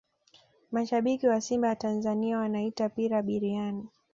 mashabiki wa simba ya tanzania wanaita pira biriani